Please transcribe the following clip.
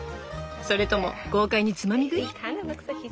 それとも豪快につまみ食い？